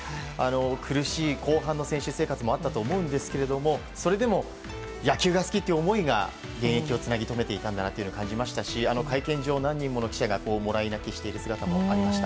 苦しい後半の選手生活もあったと思うんですけどそれでも野球が好きという思いが現役をつなぎとめていたんだなと感じましたし会見場、何人もの記者がもらい泣きしている姿もありました。